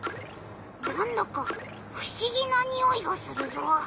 なんだかふしぎなにおいがするぞ。